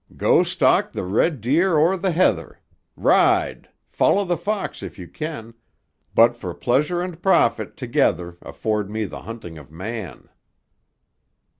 "'Go stalk the red deer o'er the heather. Ride! Follow the fox if you can! But for pleasure and profit together Afford me the hunting of Man.